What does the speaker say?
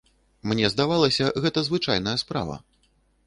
Мне здавалася, гэта звычайная справа.